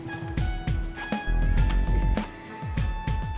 abang ngapain jempol jempol